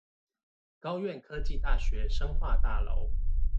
高苑科技大學生化大樓